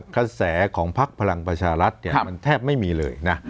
กระแสของพักพลังประชารัฐมันแทบไม่มีเลยนะ